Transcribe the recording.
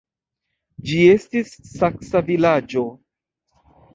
Ĝi estis saksa vilaĝo.